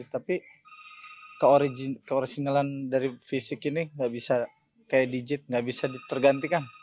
tapi keorsinalan dari fisik ini nggak bisa kayak digit nggak bisa tergantikan